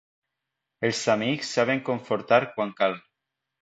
Els amics saben confortar quan cal.